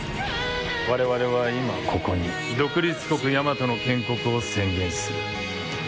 「われわれは今ここに独立国やまとの建国を宣言する」